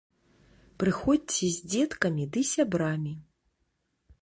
Прыходзьце з дзеткамі ды сябрамі!